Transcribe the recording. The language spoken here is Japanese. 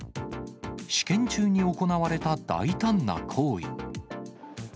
試験中に行われた大胆な行為。